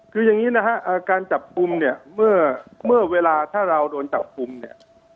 คืออย่างนี้นะฮะการจับกลุ่มเนี่ยเมื่อเวลาถ้าเราโดนจับกลุ่มเนี่ย